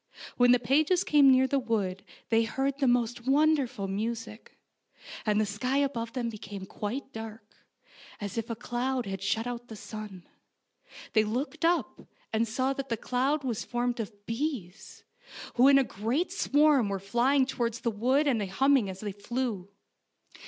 When the pages came near the wood they heard the most wonderful music, and the sky above them became quite dark, as if a cloud had shut out the sun. They looked up, and saw that the cloud was formed of bees, who in a great swarm were flying towards the wood and hum ming as they flew.